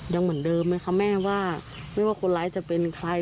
ยังเหมือนเดิมไหมคะแม่ว่าไม่ว่าคนร้ายจะเป็นใคร